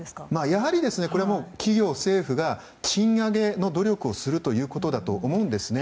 やはり、企業・政府が賃上げの努力をするということだと思うんですね。